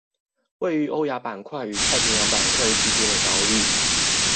位於歐亞板塊與太平洋板塊之間的島嶼